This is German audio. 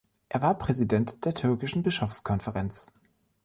Er war Präsident der Türkischen Bischofskonferenz.